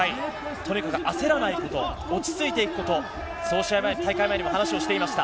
とにかく焦らないこと落ち着いていくことそう大会前にも話していました。